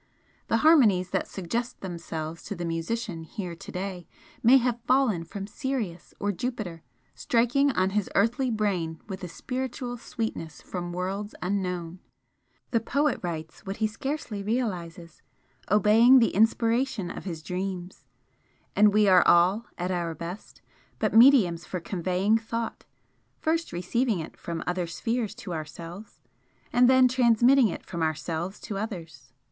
The harmonies that suggest themselves to the musician here to day may have fallen from Sirius or Jupiter, striking on his earthly brain with a spiritual sweetness from worlds unknown, the poet writes what he scarcely realises, obeying the inspiration of his dreams, and we are all, at our best, but mediums for conveying thought, first receiving it from other spheres to ourselves, and then transmitting it from ourselves to others.